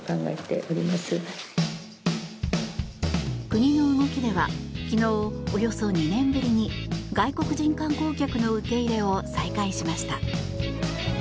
国の動きでは昨日およそ２年ぶりに外国人観光客の受け入れを再開しました。